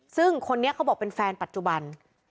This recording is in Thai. ซึ่งคนนี้เขาบอกเป็นแฟนปัจจุบัน